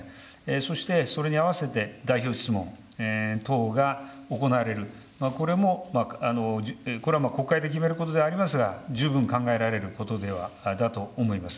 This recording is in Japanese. そしてそれに合わせて代表質問等が行われる、これも、これは国会で決めることではありますが、十分考えられることだと思います。